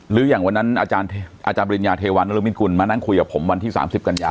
หรืออย่างวันนั้นอาจารย์ปริญญาเทวันนรมิตกุลมานั่งคุยกับผมวันที่๓๐กันยา